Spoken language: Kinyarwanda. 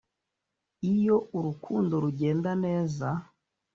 iyo urukundo rugenda neza,